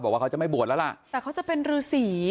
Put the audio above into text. บอกว่าเขาจะไม่บวชแล้วล่ะแต่เขาจะเป็นฤาษี